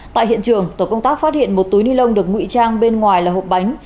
tại hiện trường tổ công tác phát hiện một túi ni lông được ngụy trang bên ngoài là hộp bánh